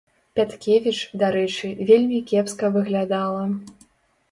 Пяткевіч, дарэчы, вельмі кепска выглядала.